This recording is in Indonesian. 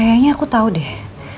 kayaknya aku tau deh